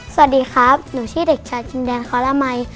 สวัสดีครับหนูชื่อเด็กชายจินดาคอรมัย